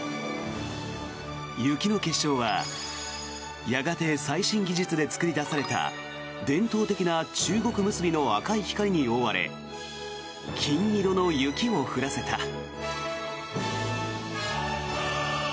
雪の結晶はやがて最新技術で作り出された伝統的な中国結びの赤い光に覆われ金色の雪を降らせた。